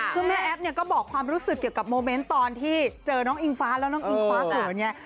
คือแม่แอฟเนี่ยก็บอกความรู้สึกเกี่ยวกับโมเมนต์ตอนที่เจอน้องอิงฟ้าแล้วน้องอิงฟ้าเขินไง